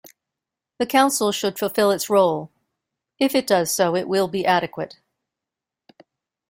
The Council should fulfil its role; if it does so it will be adequate...